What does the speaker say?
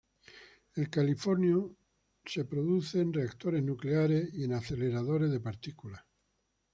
El californio es producido en reactores nucleares y en aceleradores de partículas.